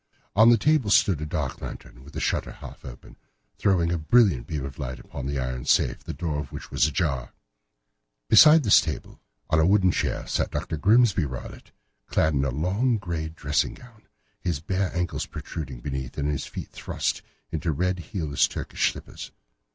On the table stood a dark lantern with the shutter half open, throwing a brilliant beam of light upon the iron safe, the door of which was ajar. Beside this table, on the wooden chair, sat Dr. Grimesby Roylott clad in a long grey dressing gown, his bare ankles protruding beneath, and his feet thrust into red heelless Turkish slippers.